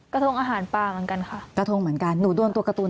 ทงอาหารปลาเหมือนกันค่ะกระทงเหมือนกันหนูโดนตัวการ์ตูน